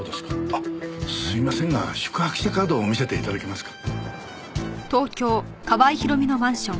あっすみませんが宿泊者カードを見せて頂けますか？